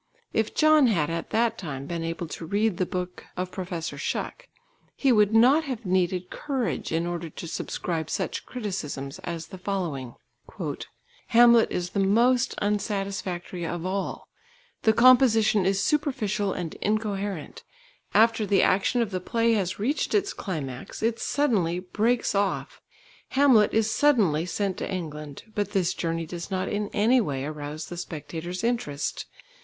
If John had at that time been able to read the book of Professor Shuck, he would not have needed courage in order to subscribe such criticisms as the following: "Hamlet is the most unsatisfactory of all ... the composition is superficial and incoherent. After the action of the play has reached its climax, it suddenly breaks off. Hamlet is suddenly sent to England, but this journey does not in any way arouse the spectator's interest.